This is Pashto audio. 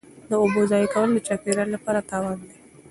د اوبو ضایع کول د چاپیریال لپاره تاوان دی.